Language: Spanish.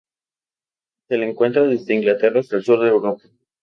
Se la encuentra desde Inglaterra hasta el sur de Europa.